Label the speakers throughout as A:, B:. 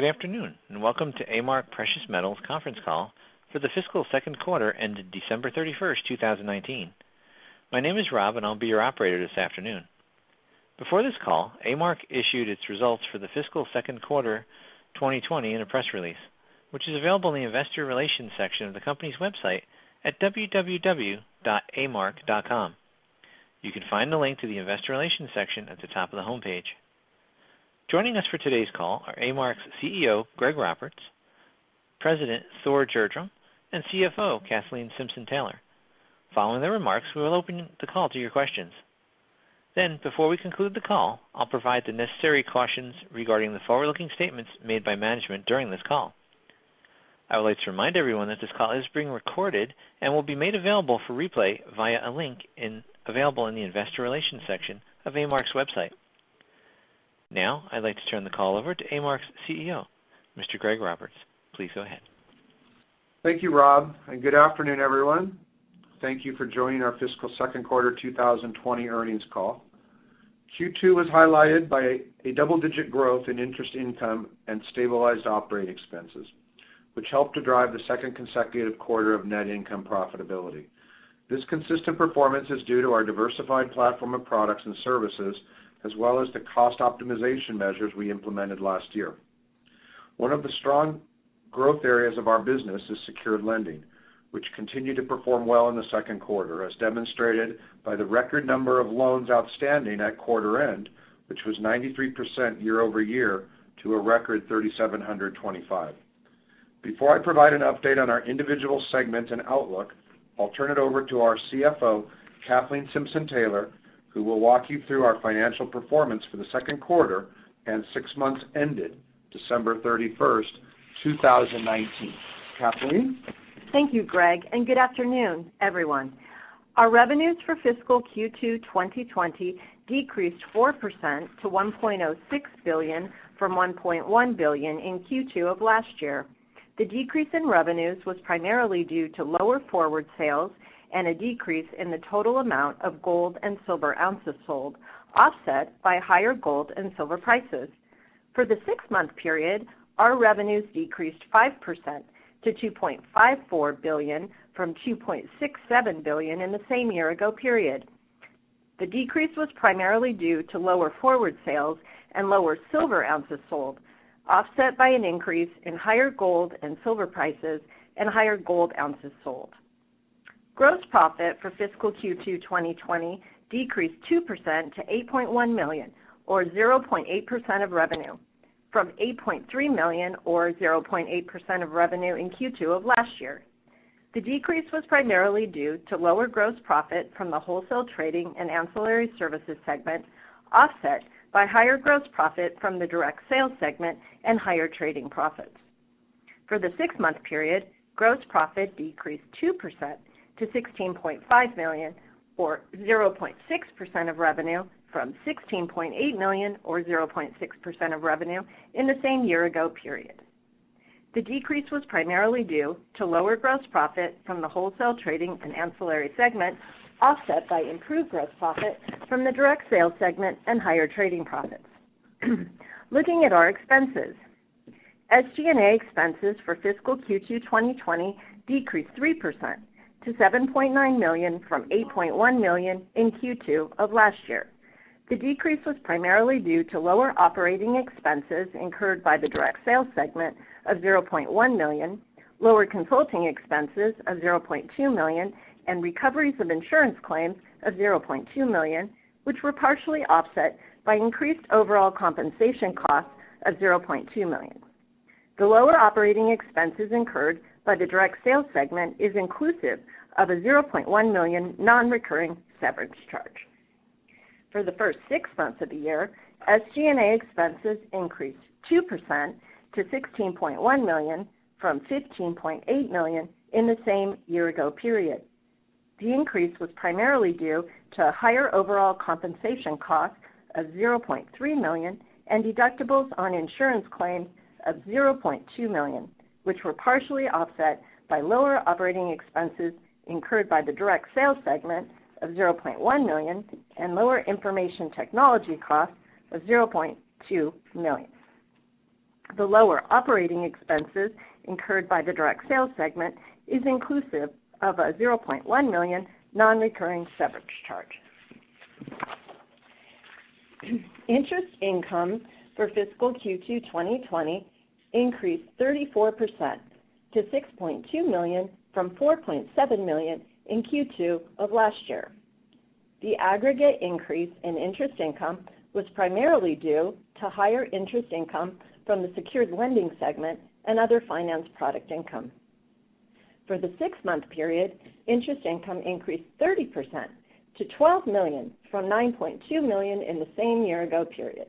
A: Good afternoon, and welcome to A-Mark Precious Metals conference call for the fiscal second quarter ended December 31st, 2019. My name is Rob, and I'll be your operator this afternoon. Before this call, A-Mark issued its results for the fiscal second quarter 2020 in a press release, which is available in the investor relations section of the company's website at amark.com. You can find the link to the investor relations section at the top of the homepage. Joining us for today's call are A-Mark's CEO, Greg Roberts, President, Thor Gjerdrum, and CFO, Kathleen Simpson-Taylor. Following their remarks, we will open the call to your questions. Before we conclude the call, I'll provide the necessary cautions regarding the forward-looking statements made by management during this call. I would like to remind everyone that this call is being recorded and will be made available for replay via a link available in the investor relations section of A-Mark's website. Now, I'd like to turn the call over to A-Mark's CEO, Mr. Greg Roberts. Please go ahead.
B: Thank you, Rob. Good afternoon, everyone. Thank you for joining our fiscal second quarter 2020 earnings call. Q2 was highlighted by a double-digit growth in interest income and stabilized operating expenses, which helped to drive the second consecutive quarter of net income profitability. This consistent performance is due to our diversified platform of products and services, as well as the cost optimization measures we implemented last year. One of the strong growth areas of our business is secured lending, which continued to perform well in the second quarter, as demonstrated by the record number of loans outstanding at quarter end, which was 93% year-over-year to a record 3,725. Before I provide an update on our individual segment and outlook, I'll turn it over to our CFO, Kathleen Simpson-Taylor, who will walk you through our financial performance for the second quarter and six months ended December 31st, 2019. Kathleen?
C: Thank you, Greg, and good afternoon, everyone. Our revenues for fiscal Q2 2020 decreased 4% to $1.06 billion from $1.1 billion in Q2 of last year. The decrease in revenues was primarily due to lower forward sales and a decrease in the total amount of gold and silver ounces sold, offset by higher gold and silver prices. For the six-month period, our revenues decreased 5% to $2.54 billion from $2.67 billion in the same year ago period. The decrease was primarily due to lower forward sales and lower silver ounces sold, offset by an increase in higher gold and silver prices and higher gold ounces sold. Gross profit for fiscal Q2 2020 decreased 2% to $8.1 million, or 0.8% of revenue, from $8.3 million or 0.8% of revenue in Q2 of last year. The decrease was primarily due to lower gross profit from the wholesale trading and ancillary services segment, offset by higher gross profit from the direct sales segment and higher trading profits. For the six-month period, gross profit decreased 2% to $16.5 million or 0.6% of revenue from $16.8 million or 0.6% of revenue in the same year-ago period. The decrease was primarily due to lower gross profit from the wholesale trading and ancillary segment, offset by improved gross profit from the direct sales segment and higher trading profits. Looking at our expenses. SG&A expenses for fiscal Q2 2020 decreased 3% to $7.9 million from $8.1 million in Q2 of last year. The decrease was primarily due to lower operating expenses incurred by the direct sales segment of $0.1 million, lower consulting expenses of $0.2 million, and recoveries of insurance claims of $0.2 million, which were partially offset by increased overall compensation costs of $0.2 million. The lower operating expenses incurred by the direct sales segment is inclusive of a $0.1 million non-recurring severance charge. For the first six months of the year, SG&A expenses increased 2% to $16.1 million from $15.8 million in the same year-ago period. The increase was primarily due to higher overall compensation costs of $0.3 million and deductibles on insurance claims of $0.2 million, which were partially offset by lower operating expenses incurred by the direct sales segment of $0.1 million and lower information technology costs of $0.2 million. The lower operating expenses incurred by the direct sales segment is inclusive of a $0.1 million non-recurring severance charge. Interest income for fiscal Q2 2020 increased 34% to $6.2 million from $4.7 million in Q2 of last year. The aggregate increase in interest income was primarily due to higher interest income from the secured lending segment and other finance product income. For the six-month period, interest income increased 30% to $12 million from $9.2 million in the same year-ago period.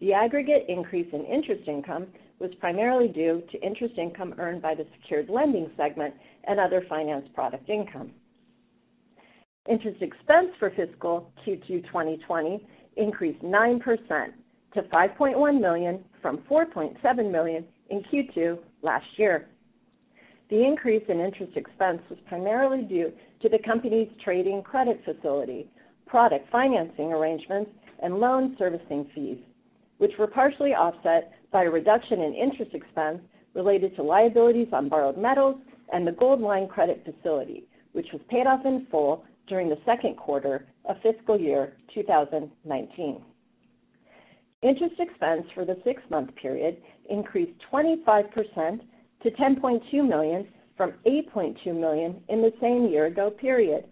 C: The aggregate increase in interest income was primarily due to interest income earned by the secured lending segment and other finance product income. Interest expense for fiscal Q2 2020 increased 9% to $5.1 million from $4.7 million in Q2 last year. The increase in interest expense was primarily due to the company's trading credit facility, product financing arrangements, and loan servicing fees, which were partially offset by a reduction in interest expense related to liabilities on borrowed metals and the Goldline credit facility, which was paid off in full during the second quarter of fiscal year 2019. Interest expense for the six-month period increased 25% to $10.2 million from $8.2 million in the same year ago period.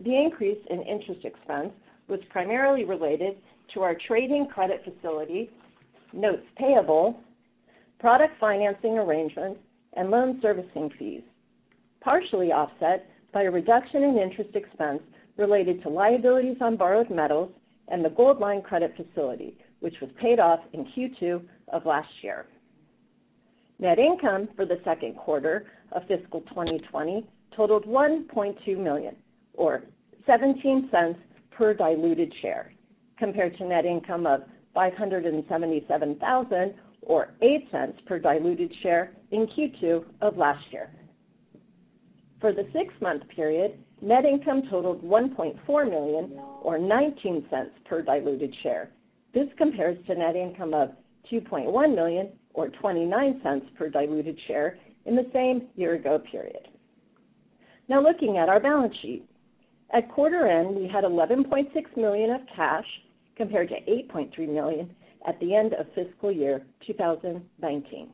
C: The increase in interest expense was primarily related to our trading credit facility, notes payable, product financing arrangements, and loan servicing fees, partially offset by a reduction in interest expense related to liabilities on borrowed metals and the Goldline credit facility, which was paid off in Q2 of last year. Net income for the second quarter of fiscal 2020 totaled $1.2 million or $0.17 per diluted share, compared to net income of $577,000 or $0.08 per diluted share in Q2 of last year. For the six-month period, net income totaled $1.4 million or $0.19 per diluted share. This compares to net income of $2.1 million or $0.29 per diluted share in the same year ago period. Looking at our balance sheet. At quarter end, we had $11.6 million of cash, compared to $8.3 million at the end of fiscal year 2019.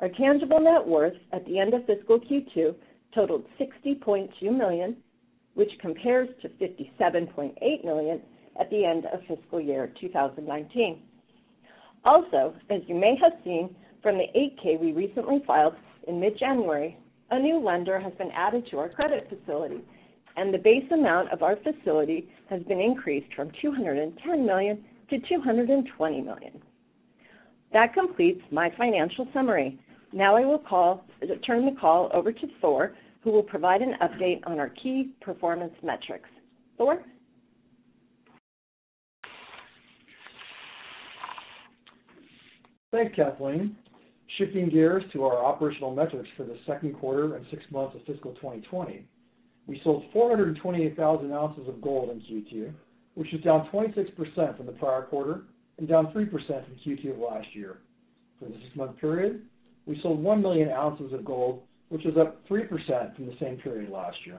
C: Our tangible net worth at the end of fiscal Q2 totaled $60.2 million, which compares to $57.8 million at the end of fiscal year 2019. As you may have seen from the 8-K we recently filed in mid-January, a new lender has been added to our credit facility, and the base amount of our facility has been increased from $210 million to $220 million. That completes my financial summary. I will turn the call over to Thor, who will provide an update on our key performance metrics. Thor?
D: Thanks, Kathleen. Shifting gears to our operational metrics for the second quarter and six months of fiscal 2020. We sold 428,000 oz of gold in Q2, which is down 26% from the prior quarter and down 3% from Q2 of last year. For the six-month period, we sold 1 million ounces of gold, which is up 3% from the same period last year.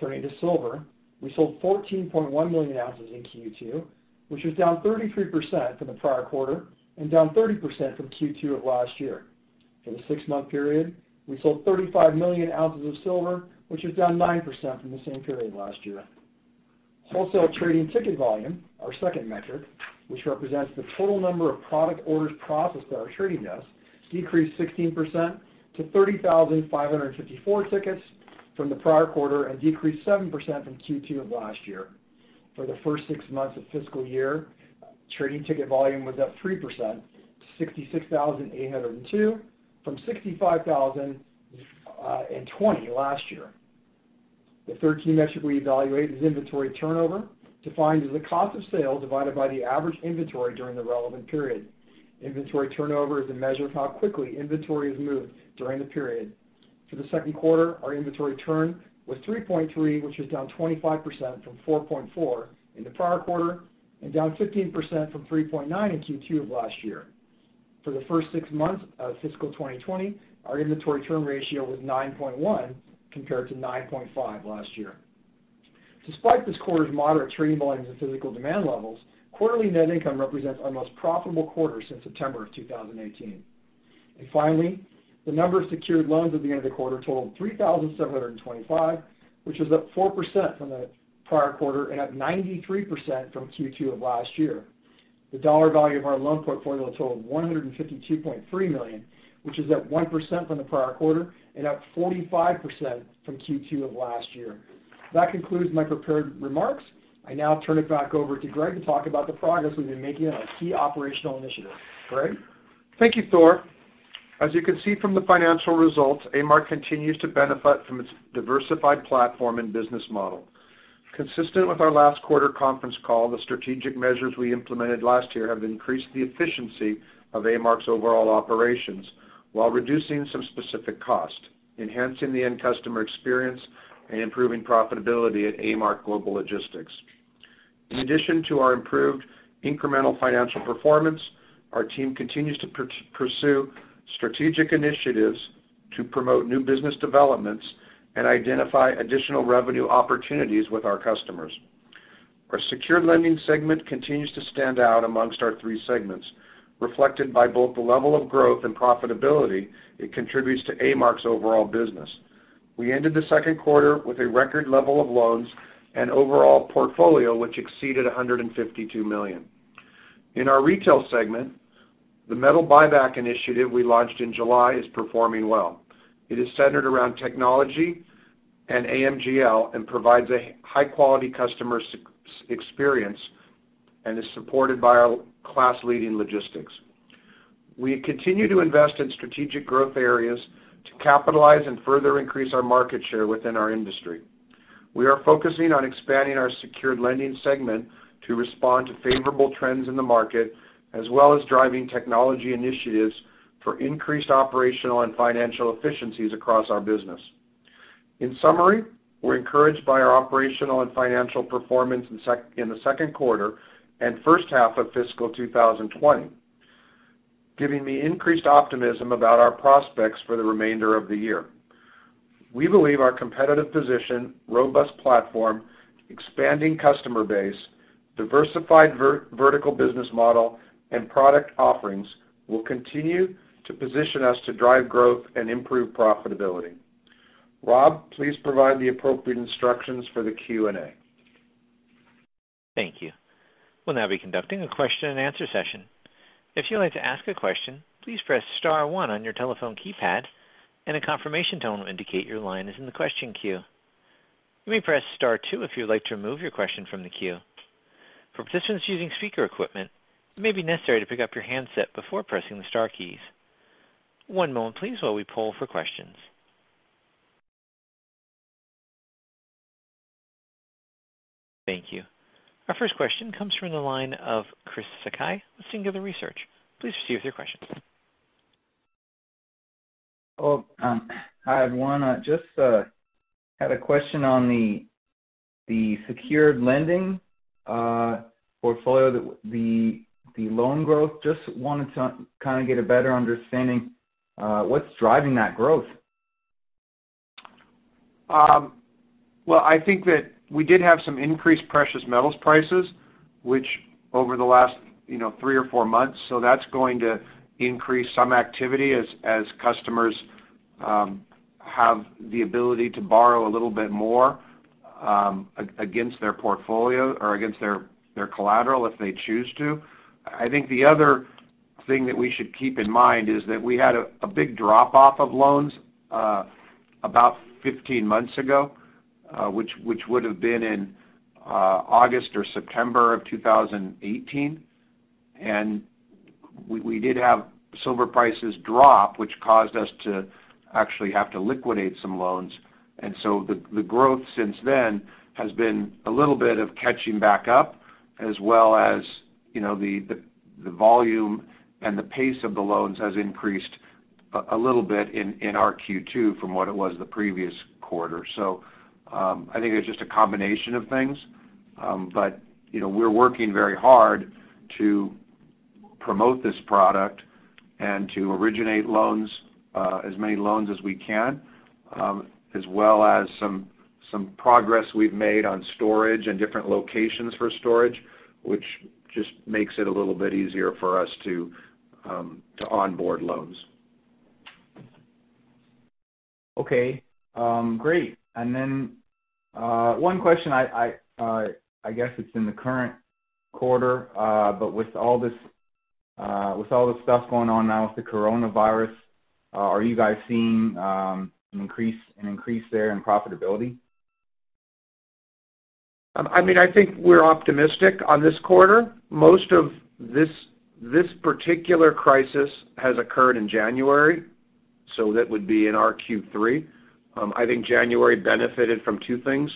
D: Turning to silver, we sold 14.1 million ounces in Q2, which was down 33% from the prior quarter and down 30% from Q2 of last year. For the six-month period, we sold 35 million ounces of silver, which is down 9% from the same period last year. Wholesale trading ticket volume, our second metric, which represents the total number of product orders processed at our trading desk, decreased 16% to 30,554 tickets from the prior quarter and decreased 7% from Q2 of last year. For the first six months of fiscal year, trading ticket volume was up 3%, 66,802 from 65,020 last year. The third key metric we evaluate is inventory turnover, defined as the cost of sale divided by the average inventory during the relevant period. Inventory turnover is a measure of how quickly inventory is moved during the period. For the second quarter, our inventory turn was 3.3, which is down 25% from 4.4 in the prior quarter and down 15% from 3.9 in Q2 of last year. For the first six months of fiscal 2020, our inventory turn ratio was 9.1 compared to 9.5 last year. Despite this quarter's moderate trading volumes and physical demand levels, quarterly net income represents our most profitable quarter since September of 2018. Finally, the number of secured loans at the end of the quarter totaled 3,725, which is up 4% from the prior quarter and up 93% from Q2 of last year. The dollar value of our loan portfolio totaled $152.3 million, which is up 1% from the prior quarter and up 45% from Q2 of last year. That concludes my prepared remarks. I now turn it back over to Greg to talk about the progress we've been making on our key operational initiatives. Greg?
B: Thank you, Thor. As you can see from the financial results, A-Mark continues to benefit from its diversified platform and business model. Consistent with our last quarter conference call, the strategic measures we implemented last year have increased the efficiency of A-Mark's overall operations while reducing some specific costs, enhancing the end customer experience, and improving profitability at A-Mark Global Logistics. In addition to our improved incremental financial performance, our team continues to pursue strategic initiatives to promote new business developments and identify additional revenue opportunities with our customers. Our secured lending segment continues to stand out amongst our three segments, reflected by both the level of growth and profitability it contributes to A-Mark's overall business. We ended the second quarter with a record level of loans and overall portfolio, which exceeded $152 million. In our retail segment, the metal buyback initiative we launched in July is performing well. It is centered around technology and AMGL and provides a high-quality customer experience and is supported by our class-leading logistics. We continue to invest in strategic growth areas to capitalize and further increase our market share within our industry. We are focusing on expanding our secured lending segment to respond to favorable trends in the market, as well as driving technology initiatives for increased operational and financial efficiencies across our business. In summary, we're encouraged by our operational and financial performance in the second quarter and first half of fiscal 2020, giving me increased optimism about our prospects for the remainder of the year. We believe our competitive position, robust platform, expanding customer base, diversified vertical business model, and product offerings will continue to position us to drive growth and improve profitability. Rob, please provide the appropriate instructions for the Q&A.
A: Thank you. We'll now be conducting a question and answer session. If you'd like to ask a question, please press *1 on your telephone keypad, and a confirmation tone will indicate your line is in the question queue. You may press *2 if you'd like to remove your question from the queue. For participants using speaker equipment, it may be necessary to pick up your handset before pressing the star keys. One moment please while we poll for questions. Thank you. Our first question comes from the line of Chris Sakai of Singular Research. Please proceed with your questions.
E: Oh, hi everyone. I just had a question on the secured lending portfolio, the loan growth. I just wanted to kind of get a better understanding. What's driving that growth?
B: Well, I think that we did have some increased precious metals prices, which over the last three or four months, so that's going to increase some activity as customers have the ability to borrow a little bit more against their portfolio or against their collateral if they choose to. I think the other thing that we should keep in mind is that we had a big drop-off of loans about 15 months ago which would've been in August or September of 2018. We did have silver prices drop, which caused us to actually have to liquidate some loans. The growth since then has been a little bit of catching back up, as well as the volume and the pace of the loans has increased a little bit in our Q2 from what it was the previous quarter. I think it's just a combination of things. We're working very hard to promote this product and to originate as many loans as we can, as well as some progress we've made on storage and different locations for storage, which just makes it a little bit easier for us to onboard loans.
E: Okay. Great. One question, I guess it's in the current quarter, but with all this stuff going on now with the coronavirus, are you guys seeing an increase there in profitability?
B: I think we're optimistic on this quarter. Most of this particular crisis has occurred in January, that would be in our Q3. I think January benefited from two things.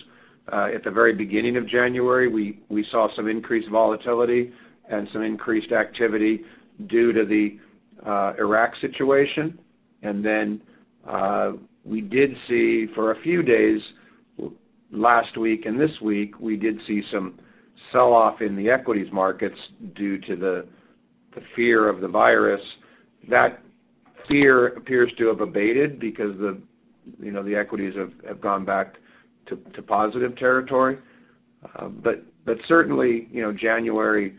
B: At the very beginning of January, we saw some increased volatility and some increased activity due to the Iraq situation. We did see for a few days, last week and this week, we did see some sell-off in the equities markets due to the fear of the virus. That fear appears to have abated because the equities have gone back to positive territory. Certainly, January,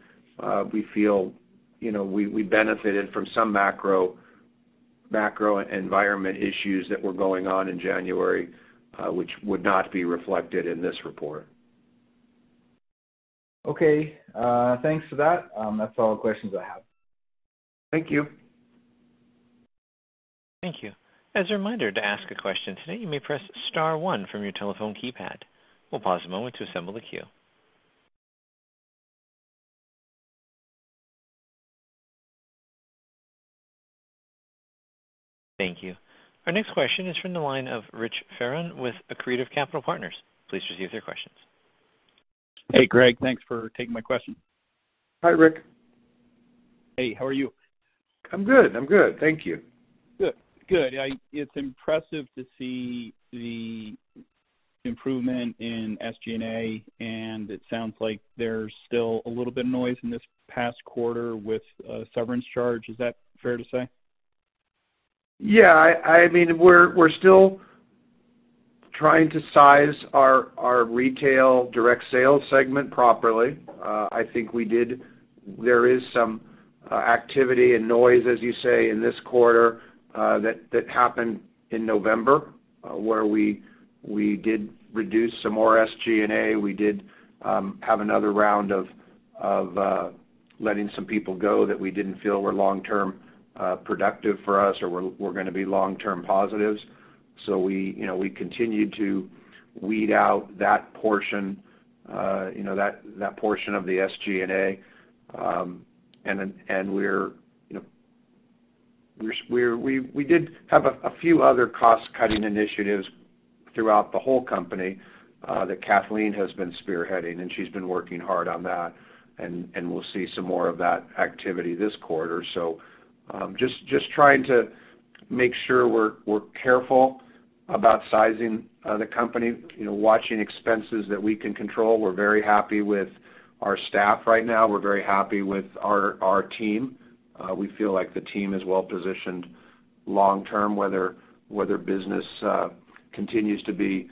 B: we feel we benefited from some macro environment issues that were going on in January, which would not be reflected in this report.
E: Okay. Thanks for that. That's all the questions I have.
B: Thank you.
A: Thank you. As a reminder to ask a question today, you may press star one from your telephone keypad. We'll pause a moment to assemble the queue. Thank you. Our next question is from the line of Rich Fearon with Accretive Capital Partners. Please proceed with your questions.
F: Hey, Greg. Thanks for taking my question.
B: Hi, Rick.
F: Hey, how are you?
B: I'm good. Thank you.
F: Good. It's impressive to see the improvement in SG&A, it sounds like there's still a little bit of noise in this past quarter with a severance charge. Is that fair to say?
B: Yeah. We're still trying to size our retail direct sales segment properly. I think there is some activity and noise, as you say, in this quarter that happened in November, where we did reduce some more SG&A. We did have another round of letting some people go that we didn't feel were long-term productive for us or were going to be long-term positives. We continue to weed out that portion of the SG&A. We did have a few other cost-cutting initiatives throughout the whole company that Kathleen has been spearheading, and she's been working hard on that, and we'll see some more of that activity this quarter. Just trying to make sure we're careful about sizing the company, watching expenses that we can control. We're very happy with our staff right now. We're very happy with our team. We feel like the team is well-positioned long-term, whether business continues to be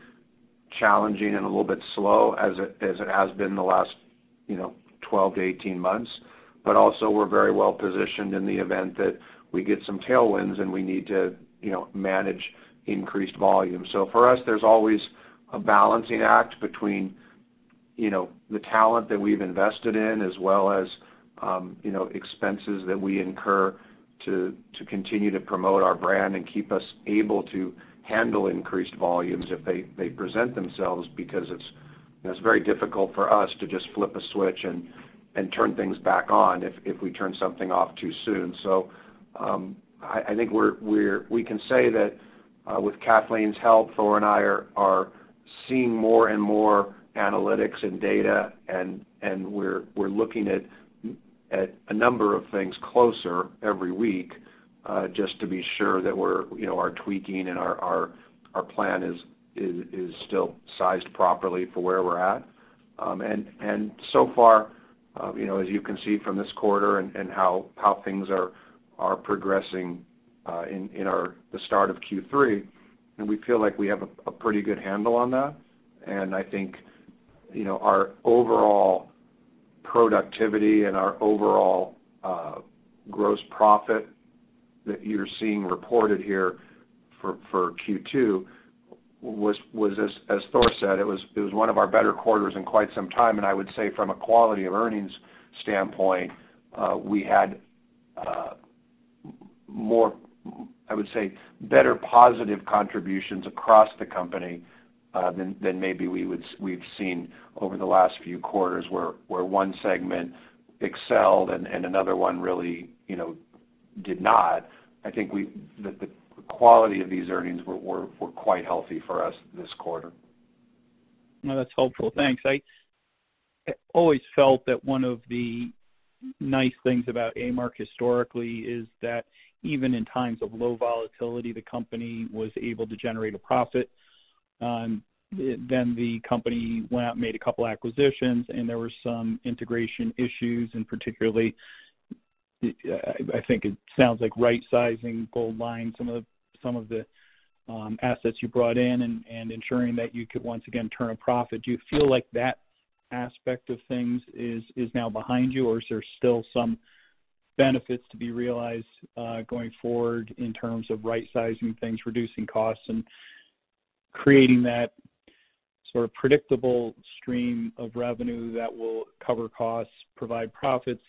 B: challenging and a little bit slow as it has been the last 12 to 18 months. Also, we're very well-positioned in the event that we get some tailwinds and we need to manage increased volume. For us, there's always a balancing act between the talent that we've invested in as well as expenses that we incur to continue to promote our brand and keep us able to handle increased volumes if they present themselves, because it's very difficult for us to just flip a switch and turn things back on if we turn something off too soon. I think we can say that with Kathleen's help, Thor and I are seeing more and more analytics and data, and we're looking at a number of things closer every week, just to be sure that our tweaking and our plan is still sized properly for where we're at. So far, as you can see from this quarter and how things are progressing in the start of Q3, and we feel like we have a pretty good handle on that. I think our overall productivity and our overall gross profit that you're seeing reported here for Q2 was, as Thor said, it was one of our better quarters in quite some time. I would say from a quality of earnings standpoint, we had more, I would say, better positive contributions across the company than maybe we've seen over the last few quarters where one segment excelled and another one really did not. I think the quality of these earnings were quite healthy for us this quarter.
F: No, that's helpful. Thanks. I always felt that one of the nice things about A-Mark historically is that even in times of low volatility, the company was able to generate a profit. The company went out and made a couple acquisitions, and there were some integration issues, and particularly, I think it sounds like right-sizing Goldline, some of the assets you brought in and ensuring that you could once again turn a profit. Do you feel like that aspect of things is now behind you, or is there still some benefits to be realized going forward in terms of right-sizing things, reducing costs, and creating that sort of predictable stream of revenue that will cover costs, provide profits,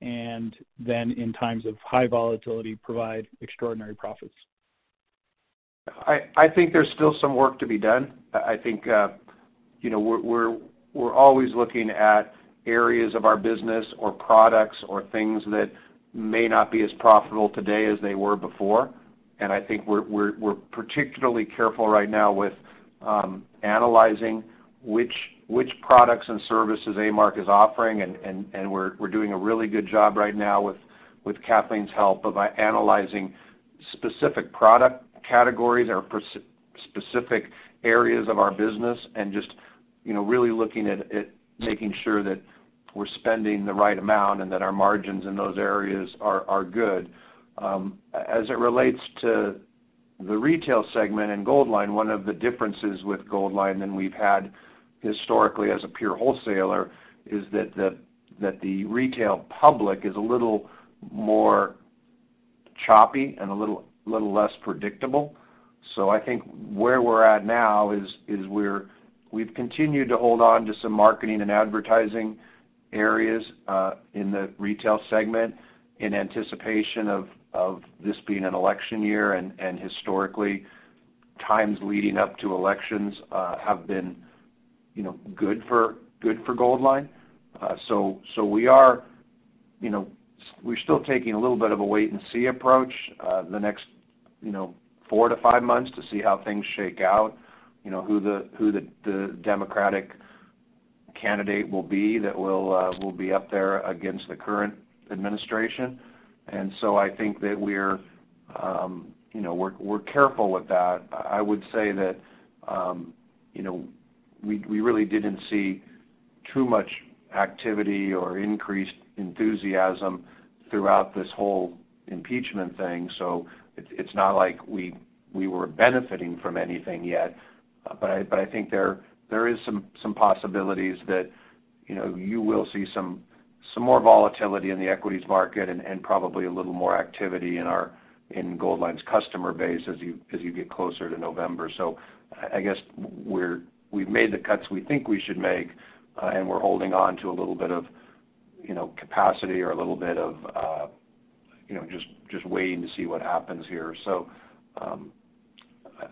F: and then in times of high volatility, provide extraordinary profits?
B: I think there's still some work to be done. I think we're always looking at areas of our business or products or things that may not be as profitable today as they were before. I think we're particularly careful right now with analyzing which products and services A-Mark is offering, and we're doing a really good job right now with Kathleen's help of analyzing specific product categories or specific areas of our business and just really looking at making sure that we're spending the right amount and that our margins in those areas are good. As it relates to the retail segment in Goldline, one of the differences with Goldline than we've had historically as a pure wholesaler is that the retail public is a little more choppy and a little less predictable. I think where we're at now is we've continued to hold on to some marketing and advertising areas in the retail segment in anticipation of this being an election year and historically, times leading up to elections have been good for Goldline. We're still taking a little bit of a wait and see approach the next four to five months to see how things shake out, who the Democratic candidate will be that will be up there against the current administration. I think that we're careful with that. I would say that we really didn't see too much activity or increased enthusiasm throughout this whole impeachment thing. It's not like we were benefiting from anything yet, but I think there is some possibilities that you will see some more volatility in the equities market and probably a little more activity in Goldline's customer base as you get closer to November. I guess we've made the cuts we think we should make, and we're holding on to a little bit of capacity or a little bit of just waiting to see what happens here.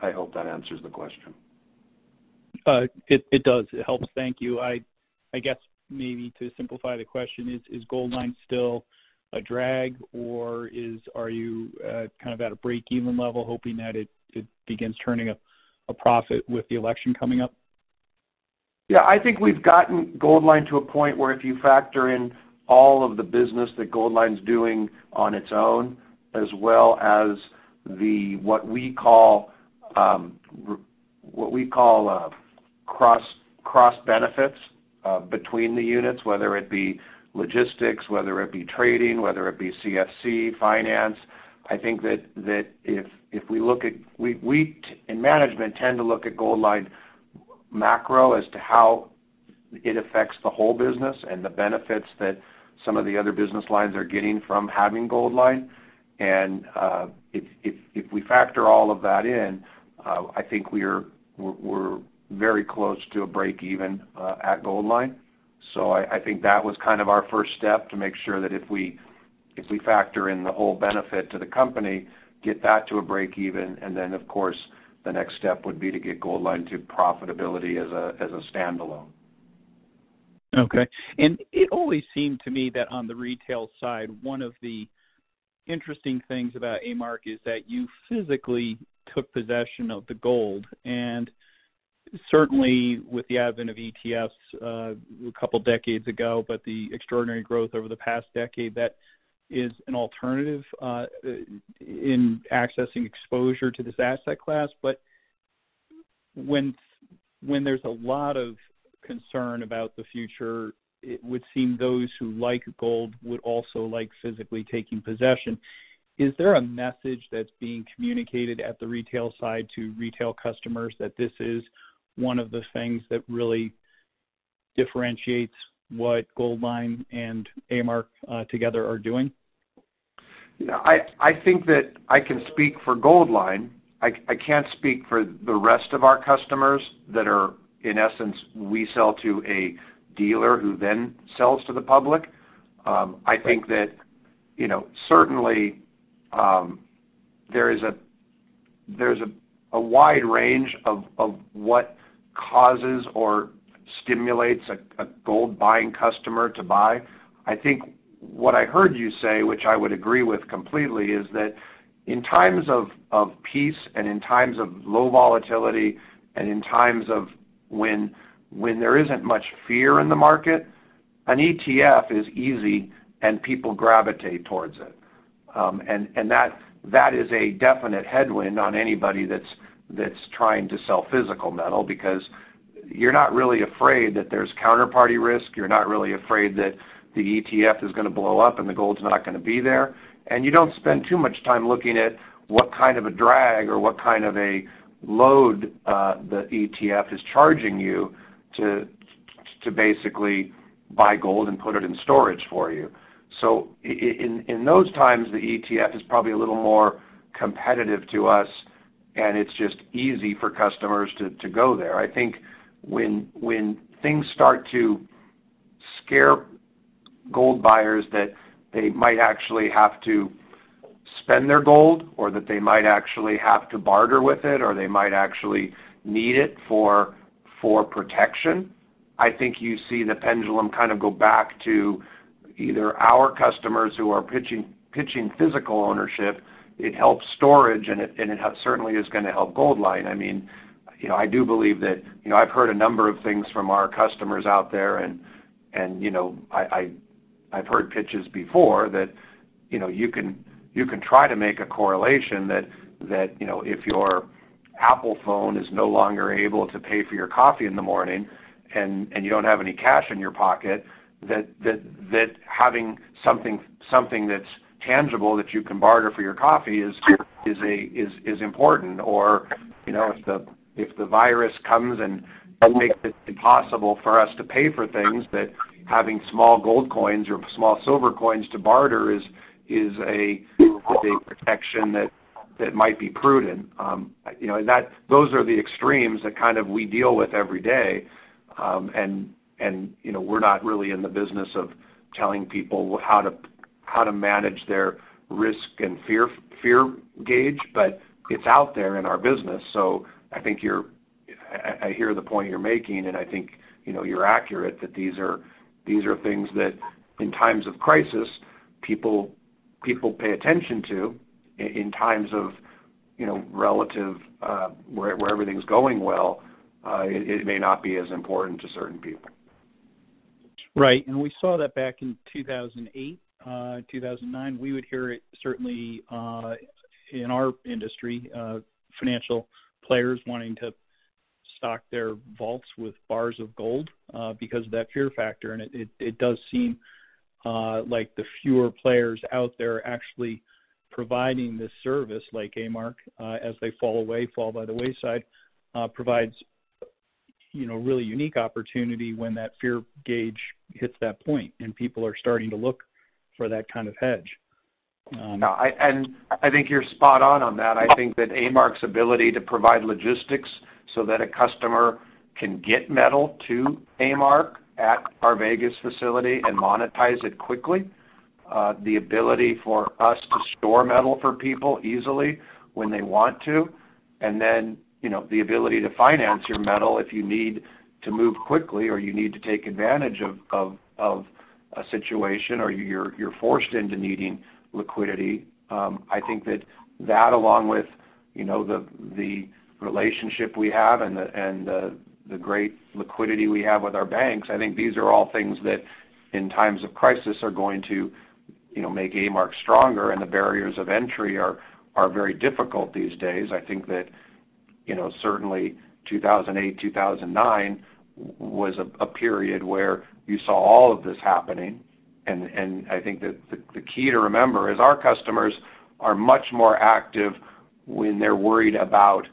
B: I hope that answers the question.
F: It does. It helps. Thank you. I guess maybe to simplify the question, is Goldline still a drag or are you at a break-even level, hoping that it begins turning a profit with the election coming up?
B: Yeah, I think we've gotten Goldline to a point where if you factor in all of the business that Goldline's doing on its own, as well as what we call cross-benefits between the units, whether it be logistics, whether it be trading, whether it be CFC finance. We in management tend to look at Goldline macro as to how it affects the whole business and the benefits that some of the other business lines are getting from having Goldline. If we factor all of that in, I think we're very close to a break even at Goldline. I think that was kind of our first step to make sure that if we factor in the whole benefit to the company, get that to a break even, and then of course, the next step would be to get Goldline to profitability as a standalone.
F: It always seemed to me that on the retail side, one of the interesting things about A-Mark is that you physically took possession of the gold, and certainly with the advent of ETFs a couple of decades ago, but the extraordinary growth over the past decade, that is an alternative in accessing exposure to this asset class. When there's a lot of concern about the future, it would seem those who like gold would also like physically taking possession. Is there a message that's being communicated at the retail side to retail customers that this is one of the things that really differentiates what Goldline and A-Mark together are doing?
B: I think that I can speak for Goldline. I can't speak for the rest of our customers that are, in essence, we sell to a dealer who then sells to the public. I think that certainly, there's a wide range of what causes or stimulates a gold buying customer to buy. I think what I heard you say, which I would agree with completely, is that in times of peace and in times of low volatility, and in times of when there isn't much fear in the market, an ETF is easy and people gravitate towards it. That is a definite headwind on anybody that's trying to sell physical metal because you're not really afraid that there's counterparty risk. You're not really afraid that the ETF is going to blow up and the gold's not going to be there, and you don't spend too much time looking at what kind of a drag or what kind of a load the ETF is charging you to basically buy gold and put it in storage for you. In those times, the ETF is probably a little more competitive to us, and it's just easy for customers to go there. I think when things start to scare gold buyers that they might actually have to spend their gold or that they might actually have to barter with it, or they might actually need it for protection, I think you see the pendulum kind of go back to either our customers who are pitching physical ownership, it helps storage, and it certainly is going to help Goldline. I do believe that I've heard a number of things from our customers out there, and I've heard pitches before that you can try to make a correlation that if your Apple phone is no longer able to pay for your coffee in the morning and you don't have any cash in your pocket, that having something that's tangible that you can barter for your coffee is important. If the virus comes and makes it impossible for us to pay for things, that having small gold coins or small silver coins to barter is a protection that might be prudent. Those are the extremes that we deal with every day. We're not really in the business of telling people how to manage their risk and fear gauge, but it's out there in our business. I hear the point you're making, and I think you're accurate that these are things that in times of crisis, people pay attention to. In times of where everything's going well it may not be as important to certain people.
F: Right. We saw that back in 2008, 2009. We would hear it certainly in our industry, financial players wanting to stock their vaults with bars of gold because of that fear factor. It does seem like the fewer players out there actually providing this service, like A-Mark as they fall away, fall by the wayside, provides really unique opportunity when that fear gauge hits that point and people are starting to look for that kind of hedge.
B: No, I think you're spot on on that. I think that A-Mark's ability to provide logistics so that a customer can get metal to A-Mark at our Vegas facility and monetize it quickly. The ability for us to store metal for people easily when they want to, and then the ability to finance your metal if you need to move quickly, or you need to take advantage of a situation, or you're forced into needing liquidity. I think that that along with the relationship we have and the great liquidity we have with our banks, I think these are all things that in times of crisis are going to make A-Mark stronger. The barriers of entry are very difficult these days. I think that certainly 2008, 2009 was a period where you saw all of this happening, and I think that the key to remember is our customers are much more active when they're worried about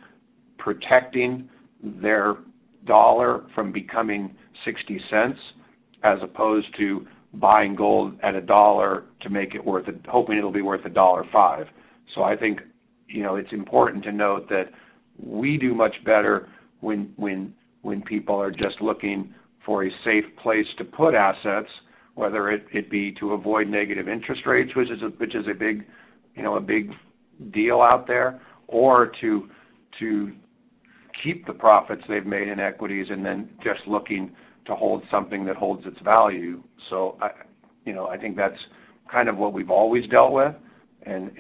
B: protecting their dollar from becoming $0.60, as opposed to buying gold at $1, hoping it'll be worth $1.05. I think it's important to note that we do much better when people are just looking for a safe place to put assets, whether it be to avoid negative interest rates, which is a big deal out there, or to keep the profits they've made in equities and then just looking to hold something that holds its value. I think that's kind of what we've always dealt with, and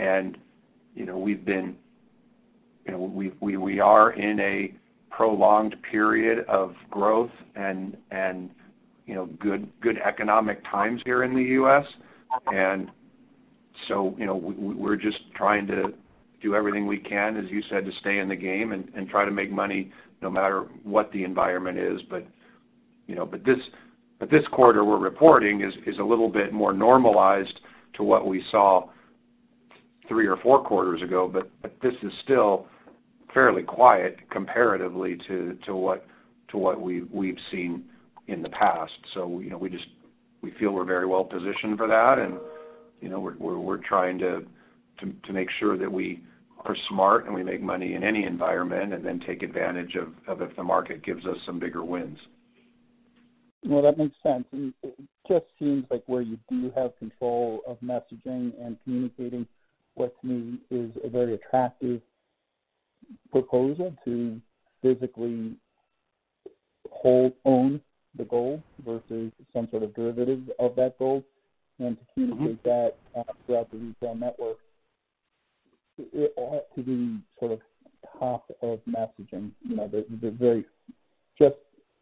B: we are in a prolonged period of growth and good economic times here in the U.S. We're just trying to do everything we can, as you said, to stay in the game and try to make money no matter what the environment is. This quarter we're reporting is a little bit more normalized to what we saw three or four quarters ago. This is still fairly quiet comparatively to what we've seen in the past. We feel we're very well positioned for that, and we're trying to make sure that we are smart and we make money in any environment, and then take advantage of if the market gives us some bigger wins.
F: Well, that makes sense. It just seems like where you do have control of messaging and communicating what, to me, is a very attractive proposal to physically hold, own the gold versus some sort of derivative of that gold and to communicate that throughout the retail network. It ought to be sort of top of messaging.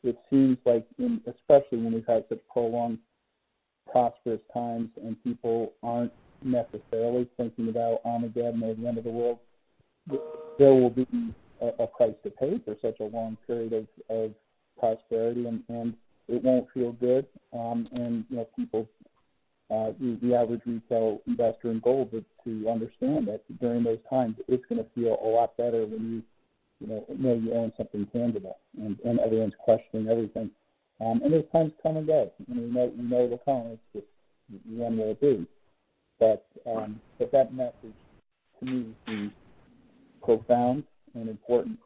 F: It seems like in, especially when we've had such prolonged prosperous times and people aren't necessarily thinking about armageddon or the end of the world, there will be a price to pay for such a long period of prosperity, and it won't feel good. People, the average retail investor in gold would need to understand that during those times, it's going to feel a lot better when you own something tangible and everyone's questioning everything. Those times come and go, and we know they'll come. It's just when will it be? That message, to me, seems profound and important.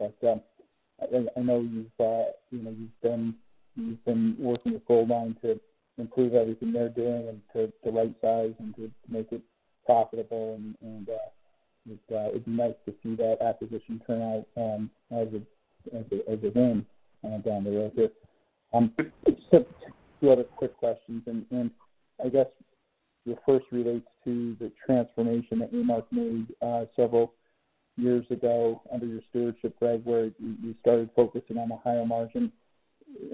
F: I know you've been working with Goldline to improve everything they're doing and to right size and to make it profitable and it'd be nice to see that acquisition turn out as a win down the road. Just two other quick questions, and I guess the first relates to the transformation that A-Mark made several years ago under your stewardship, Greg, where you started focusing on the higher margin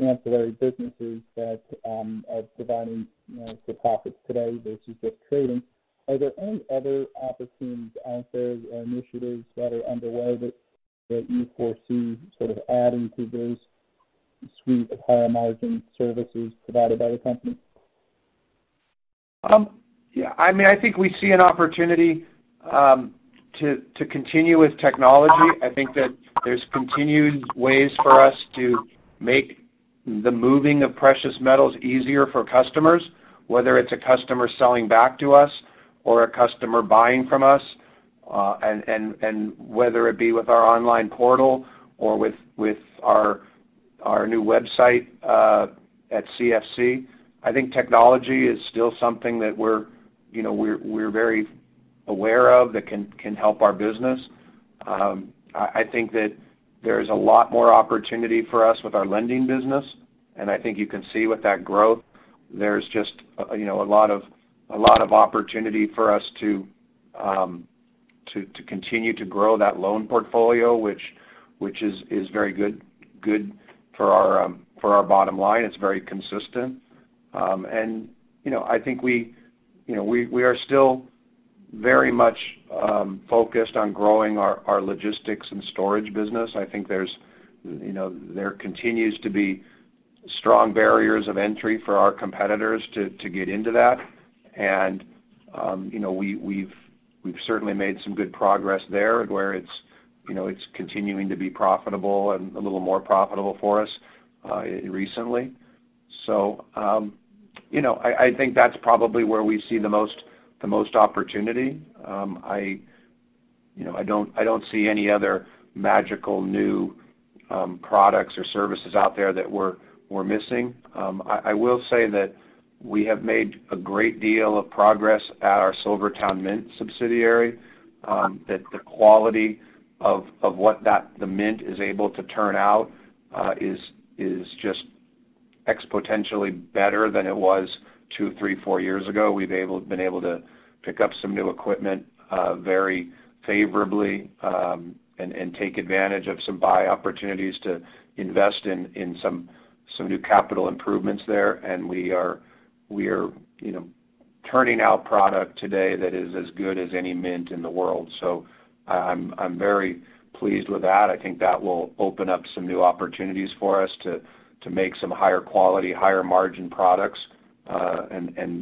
F: ancillary businesses that are providing the profits today versus just trading. Are there any other opportunities out there or initiatives that are underway that you foresee sort of adding to those suite of higher margin services provided by the company?
B: Yeah. I think we see an opportunity to continue with technology. I think that there's continued ways for us to make the moving of precious metals easier for customers, whether it's a customer selling back to us or a customer buying from us, and whether it be with our online portal or with our new website at CFC. I think technology is still something that we're very aware of that can help our business. I think that there's a lot more opportunity for us with our lending business, and I think you can see with that growth, there's just a lot of opportunity for us to continue to grow that loan portfolio which is very good for our bottom line. It's very consistent. I think we are still very much focused on growing our logistics and storage business. I think there continues to be strong barriers of entry for our competitors to get into that, and we've certainly made some good progress there, where it's continuing to be profitable and a little more profitable for us recently. I think that's probably where we see the most opportunity. I don't see any other magical new products or services out there that we're missing. I will say that we have made a great deal of progress at our SilverTowne Mint subsidiary, that the quality of what the Mint is able to turn out is just exponentially better than it was two, three, four years ago. We've been able to pick up some new equipment very favorably and take advantage of some buy opportunities to invest in some new capital improvements there. We are turning out product today that is as good as any mint in the world. I'm very pleased with that. I think that will open up some new opportunities for us to make some higher quality, higher margin products.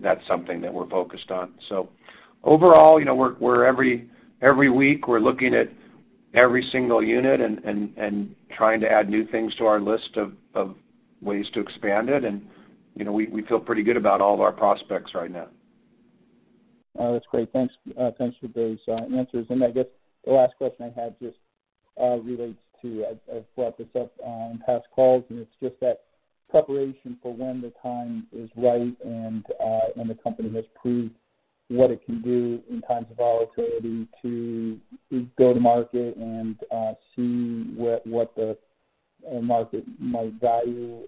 B: That's something that we're focused on. Overall, every week, we're looking at every single unit and trying to add new things to our list of ways to expand it, and we feel pretty good about all of our prospects right now.
F: That's great. Thanks for those answers. I guess the last question I had just relates to, I've brought this up on past calls, and it's just that preparation for when the time is right and when the company has proved what it can do in times of volatility to go to market and see what the market might value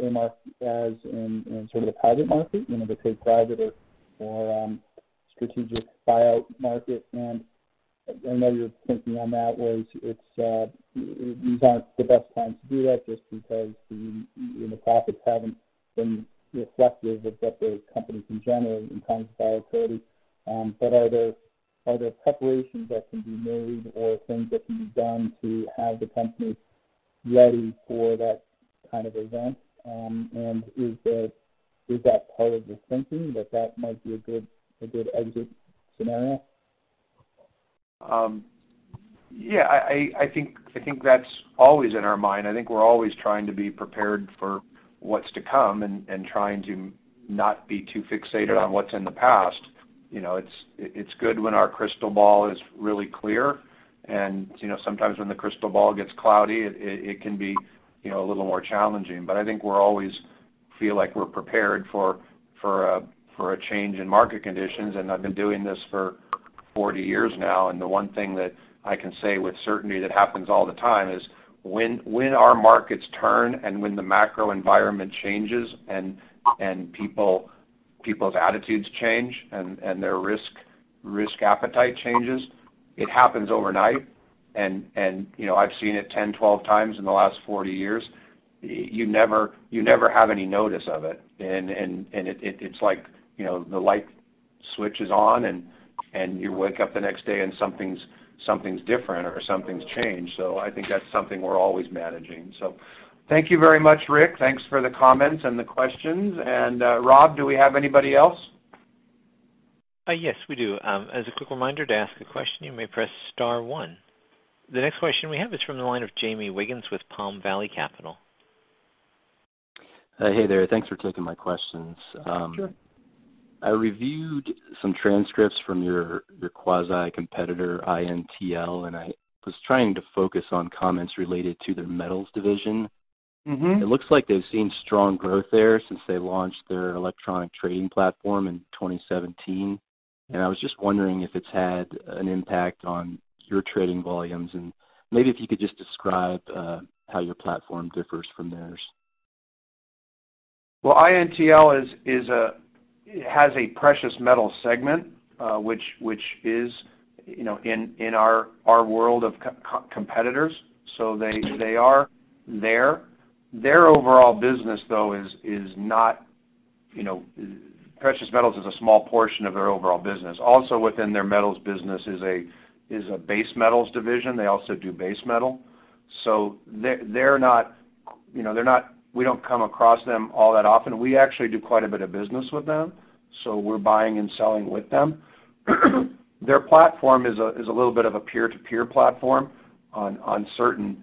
F: A-Mark as in sort of the private market, the take private or strategic buyout market. I know your thinking on that was these aren't the best times to do that just because the profits haven't been reflective of what the company can generate in times of volatility. Are there preparations that can be made or things that can be done to have the company ready for that kind of event? Is that part of your thinking, that that might be a good exit scenario?
B: Yeah, I think that's always in our mind. I think we're always trying to be prepared for what's to come and trying to not be too fixated on what's in the past. It's good when our crystal ball is really clear, and sometimes when the crystal ball gets cloudy, it can be a little more challenging. I think we always feel like we're prepared for a change in market conditions, and I've been doing this for 40 years now, and the one thing that I can say with certainty that happens all the time is when our markets turn and when the macro environment changes and people's attitudes change and their risk appetite changes, it happens overnight. I've seen it 10, 12 times in the last 40 years. You never have any notice of it. It's like the light switches on and you wake up the next day and something's different or something's changed. I think that's something we're always managing. Thank you very much, Rick. Thanks for the comments and the questions. Rob, do we have anybody else?
A: Yes, we do. As a quick reminder, to ask a question, you may press star one. The next question we have is from the line of Jayme Wiggins with Palm Valley Capital.
G: Hey there. Thanks for taking my questions.
B: Sure.
G: I reviewed some transcripts from your quasi competitor, INTL, and I was trying to focus on comments related to their metals division. It looks like they've seen strong growth there since they launched their electronic trading platform in 2017. I was just wondering if it's had an impact on your trading volumes, and maybe if you could just describe how your platform differs from theirs.
B: Well, INTL has a precious metal segment, which is in our world of competitors, so they are there. Their overall business, though, is not precious metals is a small portion of their overall business. Also within their metals business is a base metals division. They also do base metal. We don't come across them all that often. We actually do quite a bit of business with them, so we're buying and selling with them. Their platform is a little bit of a peer-to-peer platform on certain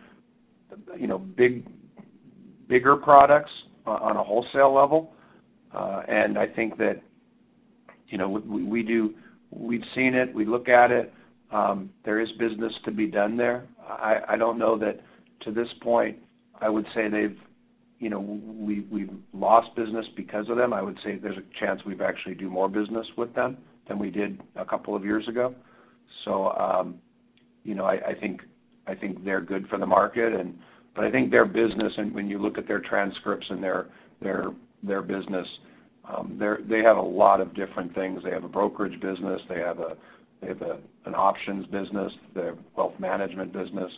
B: bigger products on a wholesale level. I think that we've seen it, we look at it. There is business to be done there. I don't know that to this point, I would say we've lost business because of them. I would say there's a chance we'd actually do more business with them than we did a couple of years ago. I think they're good for the market. I think their business, and when you look at their transcripts and their business, they have a lot of different things. They have a brokerage business. They have an options business. They have a wealth management business.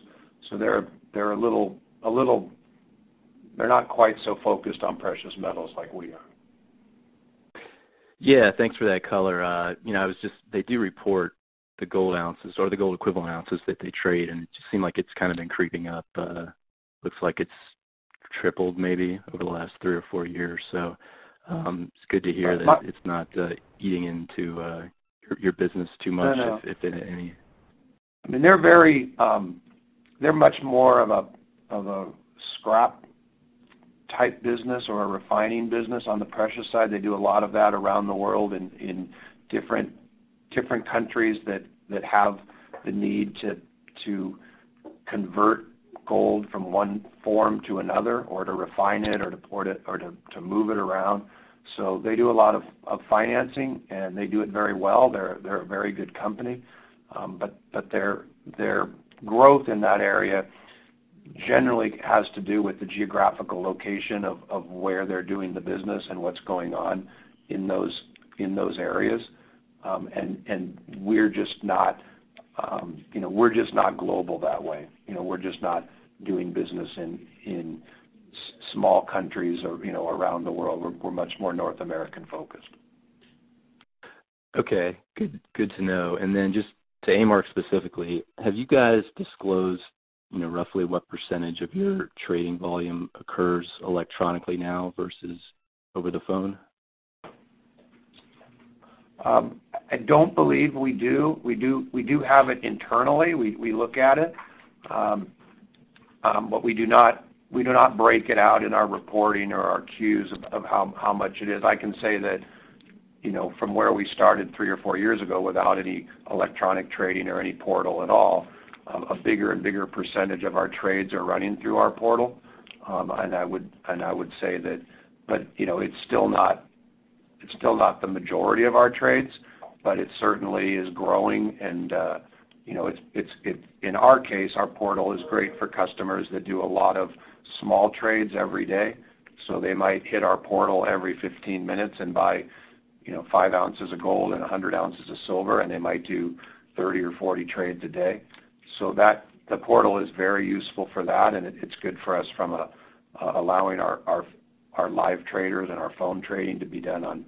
B: They're not quite so focused on precious metals like we are.
G: Yeah, thanks for that color. They do report the gold ounces or the gold equivalent ounces that they trade, and it just seemed like it's kind of been creeping up. Looks like it's tripled maybe over the last three or four years. It's good to hear that it's not eating into your business too much.
B: No.
G: If it any.
B: They're much more of a scrap-type business or a refining business on the precious side. They do a lot of that around the world in different countries that have the need to convert gold from one form to another or to refine it or to move it around. They do a lot of financing, and they do it very well. They're a very good company. Their growth in that area generally has to do with the geographical location of where they're doing the business and what's going on in those areas. We're just not global that way. We're just not doing business in small countries around the world. We're much more North American-focused.
G: Okay. Good to know. Just to A-Mark specifically, have you guys disclosed roughly what % of your trading volume occurs electronically now versus over the phone?
B: I don't believe we do. We do have it internally. We look at it. We do not break it out in our reporting or our cues of how much it is. I can say that from where we started three or four years ago without any electronic trading or any portal at all, a bigger and bigger % of our trades are running through our portal. I would say that it's still not the majority of our trades, but it certainly is growing and in our case, our portal is great for customers that do a lot of small trades every day. They might hit our portal every 15 minutes and buy 5 oz of gold and 100 oz of silver, and they might do 30 or 40 trades a day. The portal is very useful for that, and it's good for us from allowing our live traders and our phone trading to be done on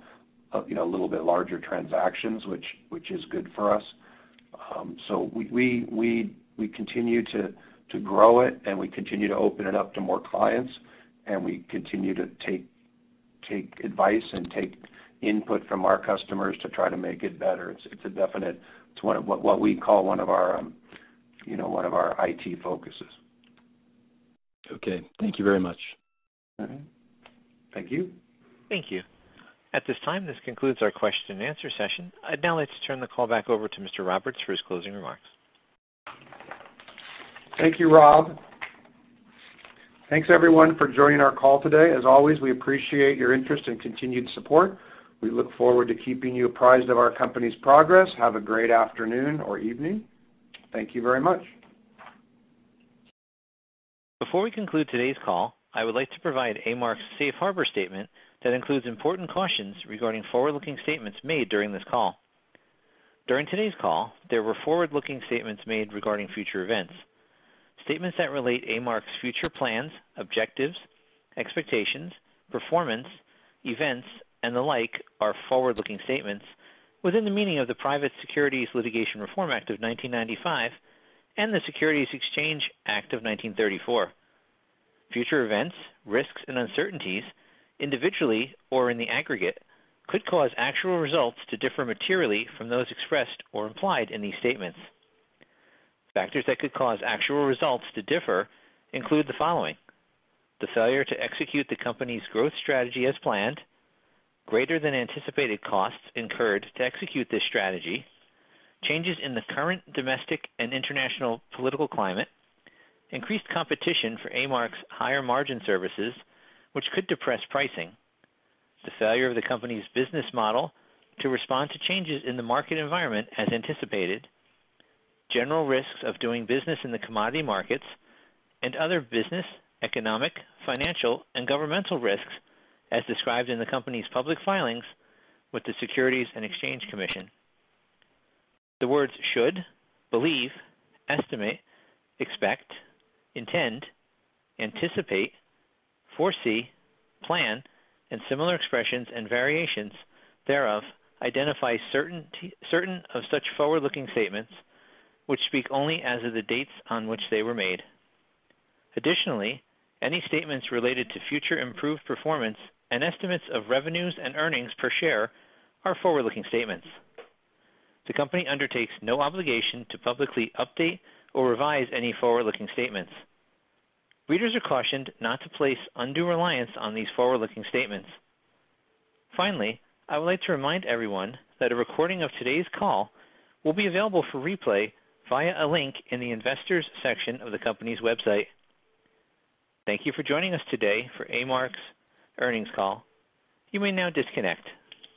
B: a little bit larger transactions, which is good for us. We continue to grow it, and we continue to open it up to more clients, and we continue to take advice and take input from our customers to try to make it better. It's what we call one of our IT focuses.
G: Okay. Thank you very much.
B: All right. Thank you.
A: Thank you. At this time, this concludes our question and answer session. Now let's turn the call back over to Mr. Roberts for his closing remarks.
B: Thank you, Rob. Thanks everyone for joining our call today. As always, we appreciate your interest and continued support. We look forward to keeping you apprised of our company's progress. Have a great afternoon or evening. Thank you very much.
A: Before we conclude today's call, I would like to provide A-Mark's Safe Harbor statement that includes important cautions regarding forward-looking statements made during this call. During today's call, there were forward-looking statements made regarding future events. Statements that relate A-Mark's future plans, objectives, expectations, performance, events, and the like are forward-looking statements within the meaning of the Private Securities Litigation Reform Act of 1995 and the Securities Exchange Act of 1934. Future events, risks, and uncertainties, individually or in the aggregate, could cause actual results to differ materially from those expressed or implied in these statements. Factors that could cause actual results to differ include the following. The failure to execute the company's growth strategy as planned, greater than anticipated costs incurred to execute this strategy, changes in the current domestic and international political climate, increased competition for A-Mark's higher margin services, which could depress pricing, the failure of the company's business model to respond to changes in the market environment as anticipated, general risks of doing business in the commodity markets, and other business, economic, financial, and governmental risks as described in the company's public filings with the Securities and Exchange Commission. The words should, believe, estimate, expect, intend, anticipate, foresee, plan, and similar expressions and variations thereof identify certain of such forward-looking statements which speak only as of the dates on which they were made. Additionally, any statements related to future improved performance and estimates of revenues and earnings per share are forward-looking statements. The company undertakes no obligation to publicly update or revise any forward-looking statements. Readers are cautioned not to place undue reliance on these forward-looking statements. Finally, I would like to remind everyone that a recording of today's call will be available for replay via a link in the Investors section of the company's website. Thank you for joining us today for A-Mark's earnings call. You may now disconnect.